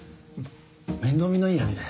面倒見のいい兄で。